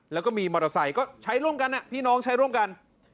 แล้วก็มีมอเตอร์ไซค์ก็ใช้ร่วมกันพี่น้องใช้ร่วมกัน